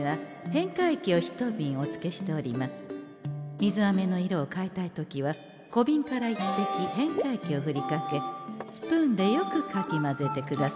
「水あめの色を変えたい時は小瓶から１滴変化液をふりかけスプーンでよくかき混ぜてくださんせ。